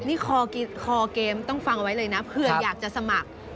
นี่คอเกมต้องฟังเอาไว้เลยนะเผื่ออยากจะสมัคร